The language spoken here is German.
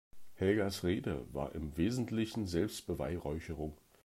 Helgas Rede war im Wesentlichen Selbstbeweihräucherung.